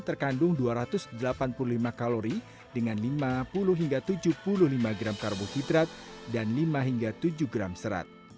terkandung dua ratus delapan puluh lima kalori dengan lima puluh hingga tujuh puluh lima gram karbohidrat dan lima hingga tujuh gram serat